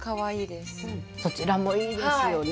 そちらもいいですよね。